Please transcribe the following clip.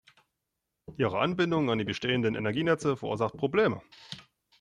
Ihre Anbindung an die bestehenden Energienetze verursacht Probleme.